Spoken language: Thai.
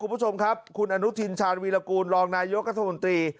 คุณพรุธชมคุณอนุทิลชานวีรกุลรองนายกระทธมตรี